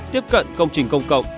tiếp cận công trình công cộng